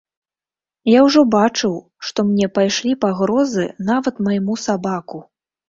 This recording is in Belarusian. Я ўжо бачыў, што мне пайшлі пагрозы, нават майму сабаку.